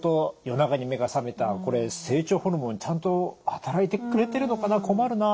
「夜中に目が覚めたこれ成長ホルモンちゃんと働いてくれてるのかな困るな」。